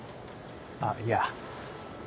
あっいや。